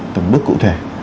từng bước cụ thể